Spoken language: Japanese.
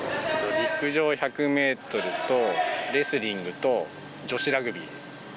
陸上１００メートルと、レスリングと、女子ラグビー。